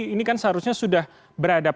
ini kan seharusnya sudah beradab